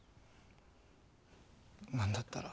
「何だったら」